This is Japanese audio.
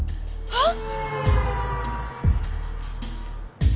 あっ。